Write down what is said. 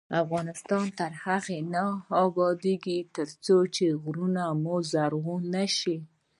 افغانستان تر هغو نه ابادیږي، ترڅو غرونه مو زرغون نشي.